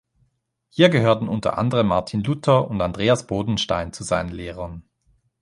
Hier gehörten unter anderem Martin Luther und Andreas Bodenstein zu seinen Lehrern.